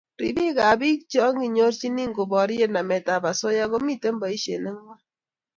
Ribiik ab biik che kinyorchini koborie namet ab asoya ko metoi boishe ngwai